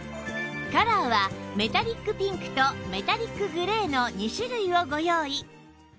カラーはメタリックピンクとメタリックグレーの２種類をご用意